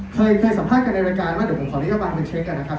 เคยเคยสัมภาษณ์กันในรายการว่าเดี๋ยวผมขออนุญาตบางคนเช็คกันนะครับ